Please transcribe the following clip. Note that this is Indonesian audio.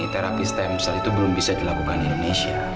terapi stem cell itu belum bisa dilakukan di indonesia